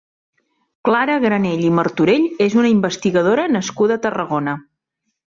Clara Granell i Martorell és una investigadora nascuda a Tarragona.